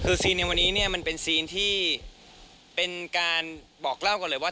คือซีนในวันนี้เนี่ยมันเป็นซีนที่เป็นการบอกเล่าก่อนเลยว่า